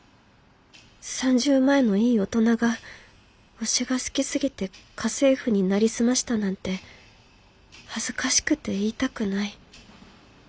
３０前のいい大人が推しが好きすぎて家政婦になりすましたなんて恥ずかしくて言いたくない。